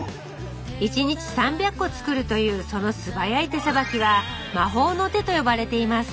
１日３００個作るというその素早い手さばきは魔法の手と呼ばれています